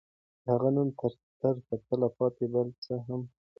د هغې نوم تر تل پاتې بل څه مهم دی.